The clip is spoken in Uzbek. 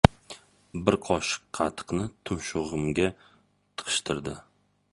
Bir qoshiq qatiqni tumshug'imga tiqishtirdi.